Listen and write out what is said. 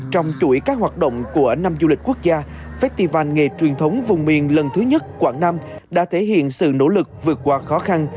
trong chuỗi các hoạt động của năm du lịch quốc gia festival nghề truyền thống vùng miền lần thứ nhất quảng nam đã thể hiện sự nỗ lực vượt qua khó khăn